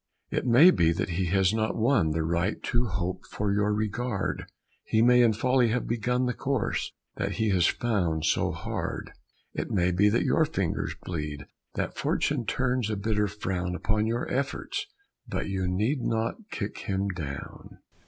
It may be that he has not won The right to hope for your regard; He may in folly have begun The course that he has found so hard; It may be that your fingers bleed, That Fortune turns a bitter frown Upon your efforts, but you need Not kick him down.